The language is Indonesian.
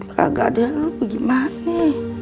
kagak ada lu gimana